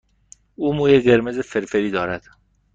او موی قرمز فرفری دارد.